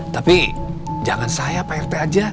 tapi jangan saya prt aja